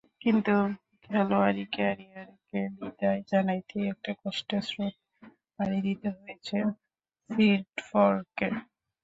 কিন্তু খেলোয়াড়ি ক্যারিয়ারকে বিদায় জানাতেই একটা কষ্টের স্রোত পাড়ি দিতে হয়েছে সিডর্ফকে।